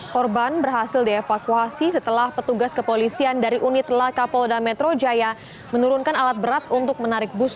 korban berhasil dievakuasi setelah petugas kepolisian dari unit laka polda metro jaya menurunkan alat berat untuk menarik bus